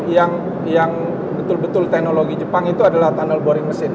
yang betul betul teknologi jepang itu adalah tunnel boring mesin